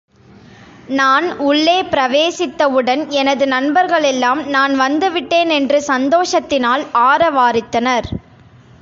நான் உள்ளே பிரவேசித்தவுடன் எனது நண்பர்களெல்லாம், நான் வந்து விட்டேனென்று சந்தோஷத்தினால் ஆரவாரித்தனர்.